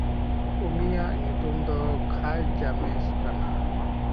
ᱩᱱᱤᱭᱟᱜ ᱧᱩᱛᱩᱢ ᱫᱚ ᱠᱷᱟᱭᱼᱡᱟᱢᱮᱥ ᱠᱟᱱᱟ᱾